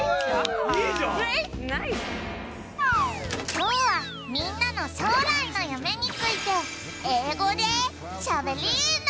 きょうはみんなの将来の夢について英語でしゃべりーな！